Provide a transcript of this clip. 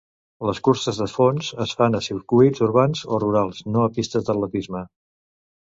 Les curses de fons es fan a circuits urbans o rurals, no a pistes d'atletisme.